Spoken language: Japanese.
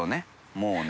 もうね。